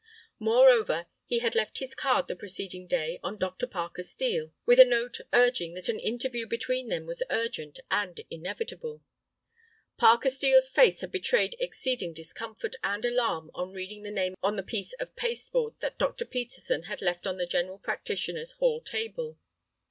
Moreover, he had left his card the preceding day on Dr. Parker Steel, with a note urging that an interview between them was urgent and inevitable. Parker Steel's face had betrayed exceeding discomfort and alarm on reading the name on the piece of paste board that Dr. Peterson had left on the general practitioner's hall table.